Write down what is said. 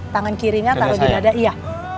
tangan kirinya taruh di dada iya